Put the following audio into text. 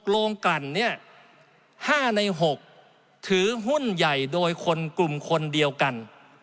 โรงกลั่นเนี่ย๕ใน๖ถือหุ้นใหญ่โดยคนกลุ่มคนเดียวกัน